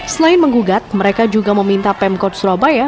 selain menggugat mereka juga meminta pemkot surabaya